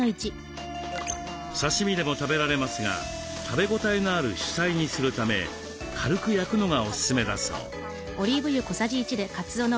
刺身でも食べられますが食べ応えのある主菜にするため軽く焼くのがおすすめだそう。